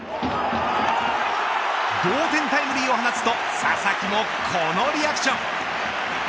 同点タイムリーを放つと佐々木もこのリアクション。